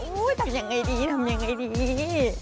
ทำยังไงดีทำยังไงดี